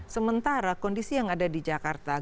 sementara kondisi yang ada di jakarta